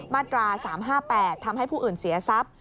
มาตรา๓๕๘ทำให้ผู้อื่นเสียทรัพย์